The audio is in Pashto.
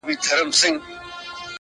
کله د دین په نوم